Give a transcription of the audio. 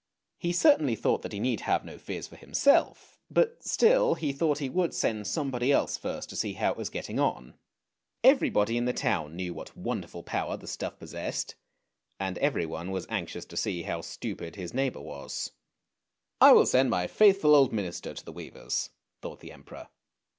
He certainly thought that he need have no fears for himself, but still he thought he would send somebody else first to see how it was getting on. Everybody in the town knew what wonderful power the stuff possessed, and everyone was anxious to see how stupid his neighbour was. " I will send my faithful old minister to the weavers," thought the Emperor.